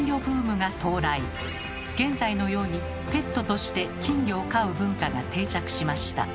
現在のようにペットとして金魚を飼う文化が定着しました。